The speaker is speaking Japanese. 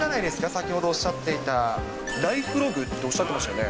先ほど、おっしゃっていた、ライフログっておっしゃってましたよね。